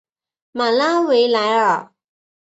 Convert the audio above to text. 马拉维莱尔。